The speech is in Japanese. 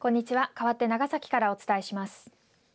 かわって長崎からお伝えします。